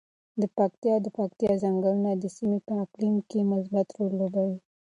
د پکتیا او پکتیکا ځنګلونه د سیمې په اقلیم کې مثبت رول لوبوي.